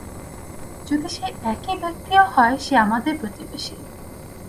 যদি সে একই ব্যাক্তিও হয় সে আমাদের প্রতিবেশী।